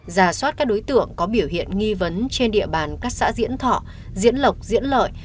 giả soát các đối tượng có biểu hiện nghi vấn trên địa bàn các xã diễn thọ diễn lộc diễn lợi